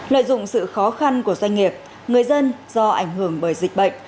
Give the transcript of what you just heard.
lợi dụng sự khó khăn của doanh nghiệp người dân do ảnh hưởng bởi dịch bệnh